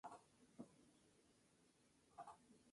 Por estos sucesos lo imputaron por lesiones.